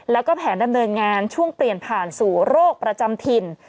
แล้วก็แผนดำเนินงานช่วงเปลี่ยนผ่านสู่โรคประจำถิ่น